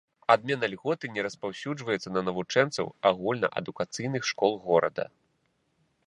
Адмена льготы не распаўсюджваецца на навучэнцаў агульнаадукацыйных школ горада.